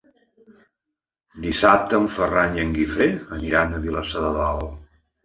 Dissabte en Ferran i en Guifré aniran a Vilassar de Dalt.